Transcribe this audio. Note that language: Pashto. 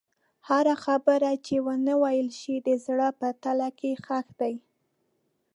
هره خبره چې ونه ویل شوه، د زړه په تله کې ښخ ده.